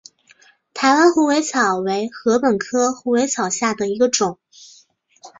台湾虎尾草为禾本科虎尾草下的一个种。